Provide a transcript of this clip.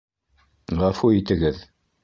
Ғәфү итегеҙ.